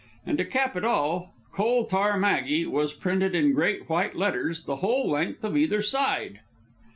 And to cap it all, Coal Tar Maggie was printed in great white letters the whole length of either side.